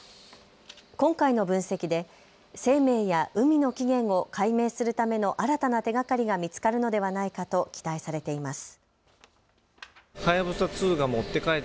今回の分析で生命や海の起源を解明するための新たな手がかりが見つかるのではないかと期待されています。